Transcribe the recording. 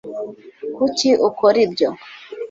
kuki ukora ibyo